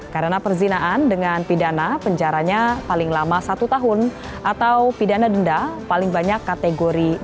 karena perzinaan dengan pidana penjaranya paling lama satu tahun atau pidana denda paling banyak kategori dua